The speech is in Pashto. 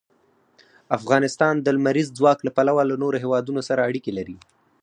افغانستان د لمریز ځواک له پلوه له نورو هېوادونو سره اړیکې لري.